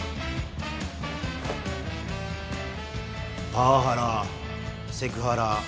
パワハラセクハラ